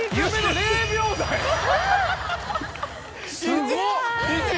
すごっ！